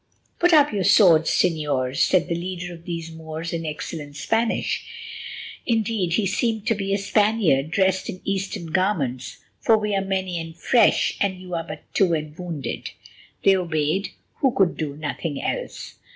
"Put up your swords, Señors," said the leader of these Moors in excellent Spanish—indeed, he seemed to be a Spaniard dressed in Eastern garments—"for we are many and fresh; and you are but two and wounded." They obeyed, who could do nothing else.